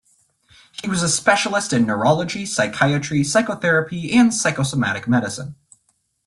He was a specialist in neurology, psychiatry, psychotherapy and psychosomatic medicine.